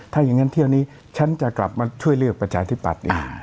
ถ้าอย่างนั้นเที่ยวนี้ฉันจะกลับมาช่วยเลือกประชาธิปัตย์เอง